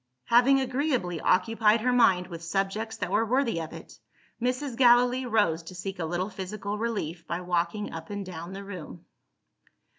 Having agreeably occupied her mind with subjects that were worthy of it, Mrs. Gallilee rose to seek a little physical relief by walking up and down the room.